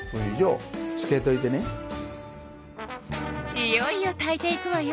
いよいよ炊いていくわよ。